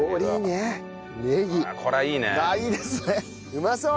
うまそう！